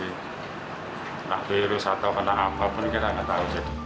tidak ada virus atau penang amat pun kita tidak tahu